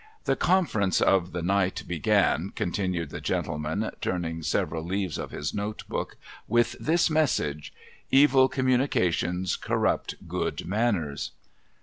'The conferences of the night began,' continued the gentleman, turning several leaves of his note book, ' with this message :" Evil communications corrupt good manners."'